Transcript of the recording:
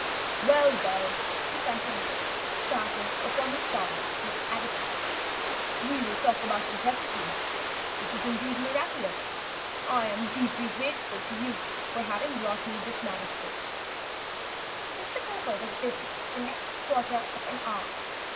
"Well, well," he continued, starting upon his task with avidity, "we will talk about him presently. This is indeed miraculous. I am most grateful deeply grateful to you for having brought me this manuscript." Mr. Cowper was busy for the next quarter of an hour.